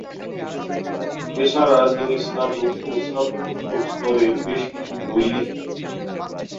এছাড়া তিনি স্নাতক ও স্নাতকোত্তর স্তরের বেশ কিছু বই লেখেন।